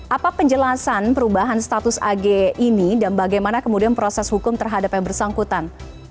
apa penjelasan perubahan status ag ini dan bagaimana kemudian proses hukum terhadap yang bersangkutan